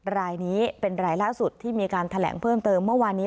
รายนี้เป็นรายล่าสุดที่มีการแถลงเพิ่มเติมเมื่อวานนี้